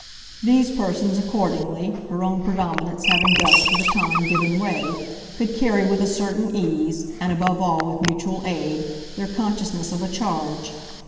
These persons, accordingly, her own predominance having thus, for the time, given way, could carry with a certain ease, and above all with mutual aid, their consciousness of a charge.